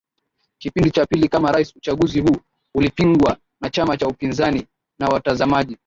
kipindi cha pili kama rais Uchaguzi huu ulipingwa na chama cha upinzani na watazamaji